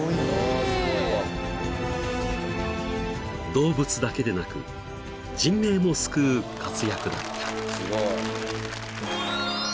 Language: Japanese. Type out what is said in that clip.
［動物だけでなく人命も救う活躍だった］